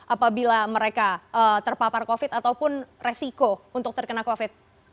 apabila mereka terpapar covid ataupun resiko untuk terkena covid